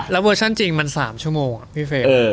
เวอร์ชันจริงมัน๓ชั่วโมงพี่เฟย์